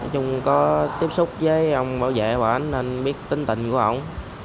với ông bảo vệ bảo ảnh nên biết tính tình của ông